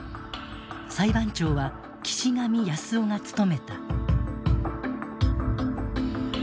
裁判長は岸上康夫が務めた。